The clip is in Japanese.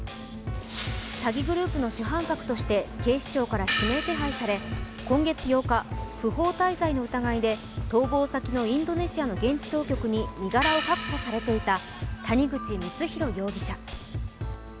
詐欺グループの主犯格として警視庁から指名手配され、今月８日、不法滞在の疑いで逃亡先のインドネシアの現地当局に身柄を確保されていた谷口光弘容疑者。